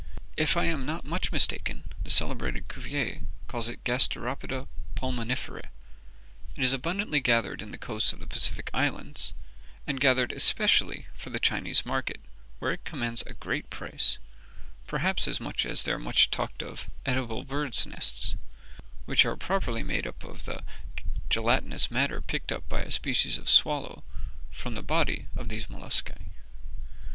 If I am not much mistaken, the celebrated Cuvier calls it gasteropeda pulmonifera. It is abundantly gathered in the coasts of the Pacific islands, and gathered especially for the Chinese market, where it commands a great price, perhaps as much as their much talked of edible birds' nests, which are properly made up of the gelatinous matter picked up by a species of swallow from the body of these molluscae.